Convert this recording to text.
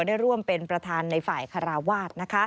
ได้ร่วมเป็นประธานในฝ่ายคาราวาส